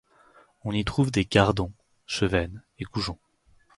On y trouve des gardons, chevaines et goujons.